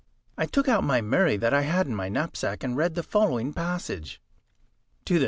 I took out my Murray that I had in my knapsack, and read the following passage: "To the N.